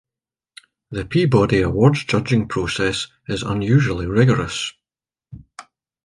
The Peabody Awards judging process is unusually rigorous.